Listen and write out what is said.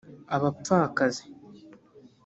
abapfakazi